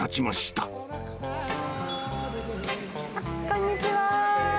こんにちは。